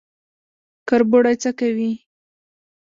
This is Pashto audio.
کربوړی څه کوي؟